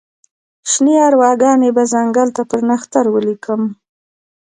شني ارواګانې به ځنګل ته پر نښتر ولیکم